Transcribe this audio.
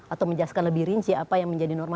atau menjelaskan lebih rinci apa yang menjadi norma